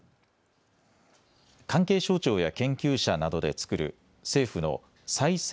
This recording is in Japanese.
関係省庁や研究者などで作る政府の再生